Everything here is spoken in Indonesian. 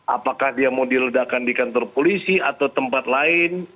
apakah dia mau diledakkan di kantor polisi atau tempat lain